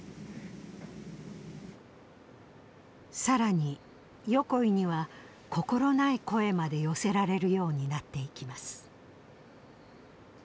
更に横井には心ない声まで寄せられるようになっていきます。